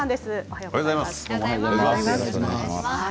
おはようございます。